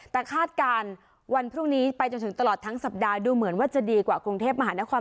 แต่คาดการณ์วันพรุ่งนี้ไปจนถึงตลอดทั้งสัปดาห์ดูเหมือนว่าจะดีกว่ากรุงเทพมหานคร